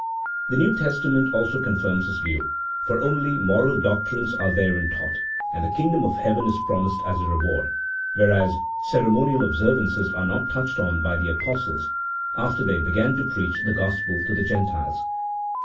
The New Testament also confirms this view, for only moral doctrines are therein taught, and the kingdom of heaven is promised as a reward, whereas ceremonial obser vances are not touched on by the Apostles, after they began to preach the Gospel to the Gentiles.